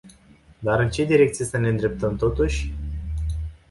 Dar în ce direcție să ne îndreptăm totuși?